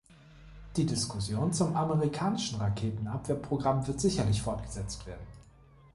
Die Diskussion zum amerikanischen Raketenabwehrprogramm wird sicherlich fortgesetzt werden.